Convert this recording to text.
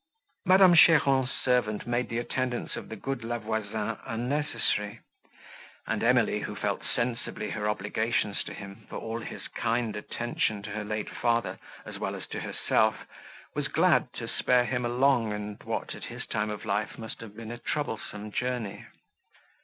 Madame Cheron's servant made the attendance of the good La Voisin unnecessary; and Emily, who felt sensibly her obligations to him, for all his kind attention to her late father, as well as to herself, was glad to spare him a long, and what, at his time of life, must have been a troublesome journey.